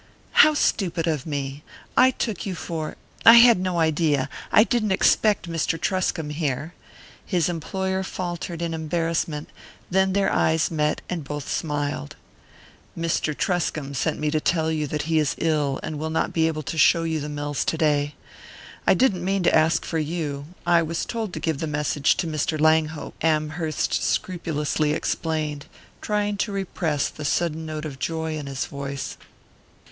"How stupid of me! I took you for I had no idea; I didn't expect Mr. Truscomb here," his employer faltered in embarrassment; then their eyes met and both smiled. "Mr. Truscomb sent me to tell you that he is ill, and will not be able to show you the mills today. I didn't mean to ask for you I was told to give the message to Mr. Langhope," Amherst scrupulously explained, trying to repress the sudden note of joy in his voice.